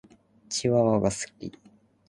チワワが好き。